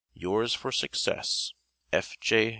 Yours for success. F. J.